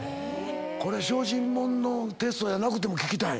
これ小心もんのテストやなくても聞きたい。